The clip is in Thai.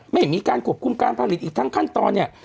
ไม่มีการควบคุมการผลิตอีกทั้งขั้นตอนเนี่ย